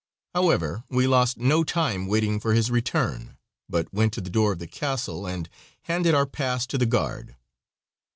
However, we lost no time waiting for his return, but went to the door of the castle and handed our pass to the guard.